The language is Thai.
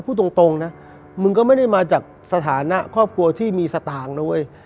พูดตรงนะมึงก็ไม่ได้มาจากสถานะครอบครัวที่มีสตางค์นะเว้ย